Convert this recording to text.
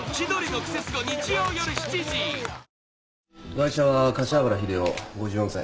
ガイ者は柏原秀雄５４歳。